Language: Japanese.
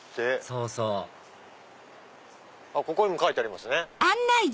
そうそうここにも書いてありますね。